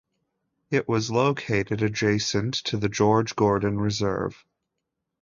It was located adjacent to the George Gordon Reserve.